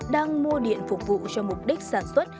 đang mua điện phục vụ cho mục đích sản xuất